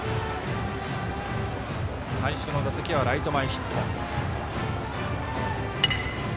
最初の打席はライト前ヒット。